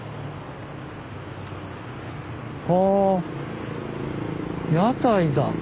あ屋台だ。